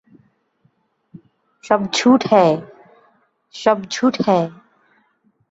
সব ঝুট হ্যায়, সব ঝুট হ্যায়।